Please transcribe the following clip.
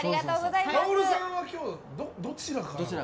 かおるさんは今日どちらから？